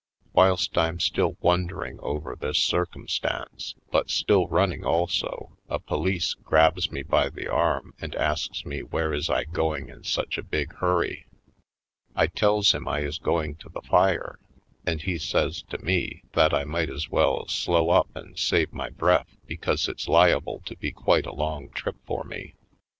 Whilst I'm still wondering over this circumstance, but still running also, a police grabs me by the arm and asks me where is I going in such a big hurry? I tells him I is going to the fire. And he says to me that I might as well slow up and save my breath because it's liable to be quite a long trip for me.